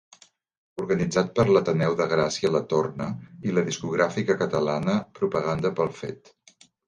Organitzat per l'Ateneu de Gràcia La Torna i la discogràfica catalana Propaganda pel fet.